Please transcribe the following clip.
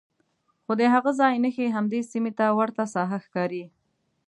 خو د هغه ځای نښې همدې سیمې ته ورته ساحه ښکاري.